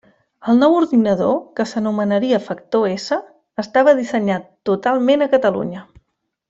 El nou ordinador, que s'anomenaria Factor-S, estava dissenyat totalment a Catalunya.